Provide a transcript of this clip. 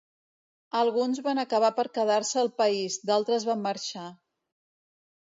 Alguns van acabar per quedar-se al país, d'altres van marxar.